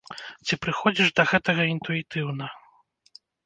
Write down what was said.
Ці прыходзіш да гэтага інтуітыўна?